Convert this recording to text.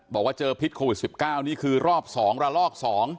บอกว่าเจอพิษโควิด๑๙นี่คือรอบ๒ระลอก๒